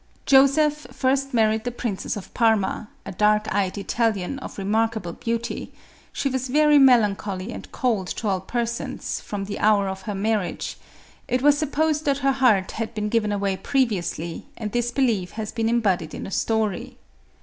Joseph first married the Princess of Parma, a dark eyed Italian of remarkable beauty ; she was very melancholy and cold to all persons, from the hour of her marriage ; it is supposed that her heart had been given away pre MARIA THERESA. 213 viously, and this belief has been embodied in a story.